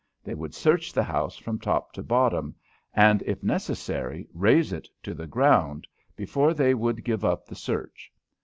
They would search the house from top to bottom and, if necessary, raze it to the ground before they would give up the search.